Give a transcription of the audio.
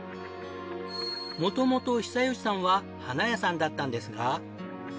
元々久喜さんは花屋さんだったんですが。